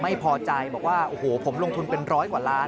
ไม่พอใจบอกว่าโอ้โหผมลงทุนเป็นร้อยกว่าล้าน